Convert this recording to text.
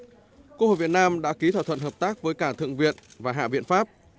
trước đó quốc hội việt nam đã ký thỏa thuận hợp tác với cả thượng viện và hạ viện pháp